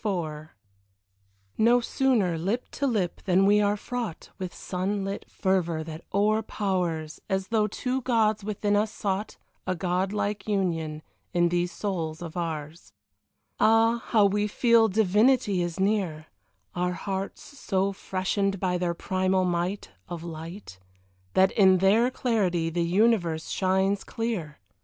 XXIV No sooner lip to lip, than we are fraught With sun lit fervour that o'erpowers, As though two gods within us sought A god like union in these souls of ours; Ah, how we feel divinity is near Our hearts so freshened by their primal might Of light, That in their clarity the universe shines clear.